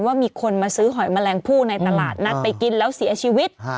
ว่ามีคนมาซื้อหอยแมลงผู้ในตลาดนัดไปกินแล้วเสียชีวิต